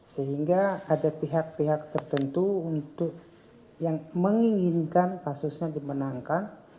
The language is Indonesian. sehingga ada pihak pihak tertentu untuk yang menginginkan kasusnya dimenangkan